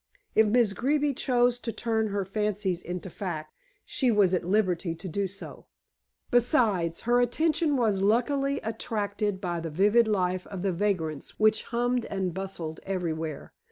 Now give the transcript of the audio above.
If Miss Greeby chose to turn her fancies into facts, she was at liberty to do so. Besides, her attention was luckily attracted by the vivid life of the vagrants which hummed and bustled everywhere.